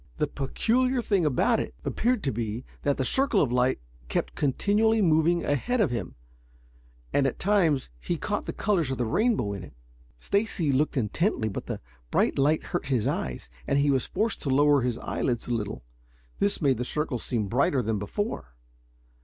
The peculiar thing about it appeared to be that the circle of light kept continually moving ahead of him, and at times he caught the colors of the rainbow in it. Stacy looked intently, but the bright light hurt his eyes and he was forced to lower his eyelids a little. This made the circle seem brighter than before.